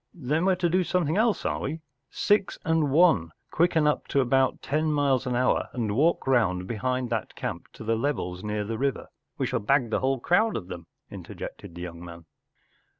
Then we Ye to do something else, are we ? Six and One, quicken up to about ten miles an hour and walk round behind that camp to the levels near the river — we shall bag the whole crowd of them,” interjected the young man.